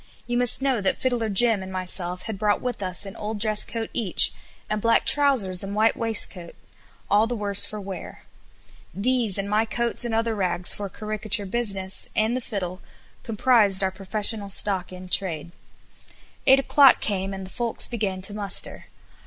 You must know that Fiddler Jim and myself had brought with us an old dress coat each, and black trousers and white waistcoat, all the worse for wear. These, and my coats and other rags for caricature business, and the fiddle, comprised our professional stock in trade. Eight o'clock came and the folks began to muster.